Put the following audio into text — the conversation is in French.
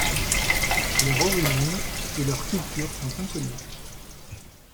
Leur origine et leur culture sont inconnus.